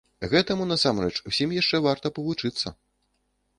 Гэтаму, насамрэч, усім яшчэ варта павучыцца.